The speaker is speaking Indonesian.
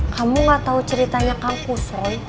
kamu gak tau ceritanya kang kusoi